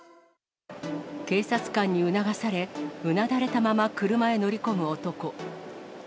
警察官に促され、うなだれたまま車へ乗り込む男。